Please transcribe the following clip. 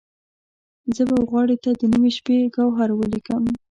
زه به وغاړې ته د نیمې شپې، ګوهر ولیکم